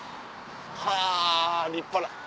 はぁ立派な。